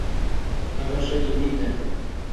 هغه ښه جينۍ ده